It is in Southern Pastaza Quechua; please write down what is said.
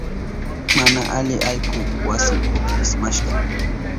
Mana ali allku wasi ukupi ismashka.